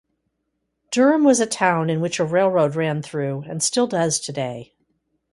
Durham was a town in which a railroad ran through and still does today.